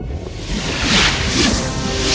lalu dia menangis